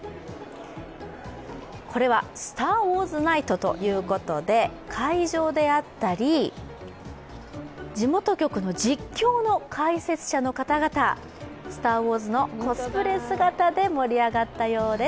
これはスター・ウォーズ・ナイトということで会場であったり、地元局の実況の解説者の方々、「スター・ウォーズ」のコスプレ姿で盛り上がったようです。